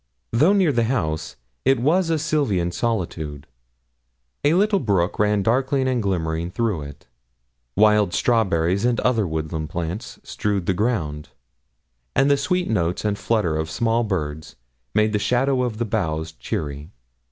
Though near the house, it was a sylvan solitude; a little brook ran darkling and glimmering through it, wild strawberries and other woodland plants strewed the ground, and the sweet notes and flutter of small birds made the shadow of the boughs cheery.